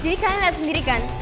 jadi kalian liat sendiri kan